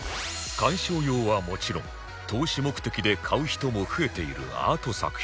鑑賞用はもちろん投資目的で買う人も増えているアート作品